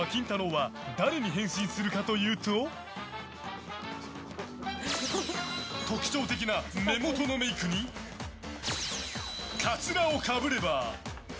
は誰に変身するかというと特徴的な目元のメイクにかつらをかぶれば。